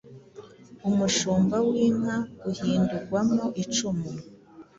umushumba w'inka uhindurwamo icumu.